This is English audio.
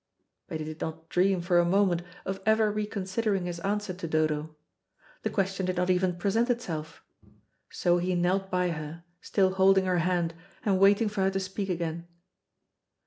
But he did not dream for a moment of ever reconsidering his answer to Dodo. The question did not even present itself. So he knelt by her, still holding her hand, and waiting for her to speak again.